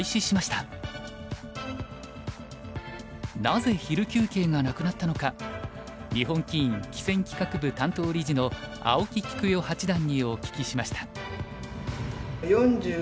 なぜ昼休憩がなくなったのか日本棋院棋戦企画部担当理事の青木喜久代八段にお聞きしました。